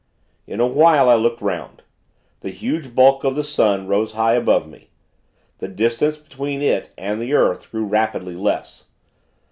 In a while, I looked 'round. The huge bulk of the sun, rose high above me. The distance between it and the earth, grew rapidly less.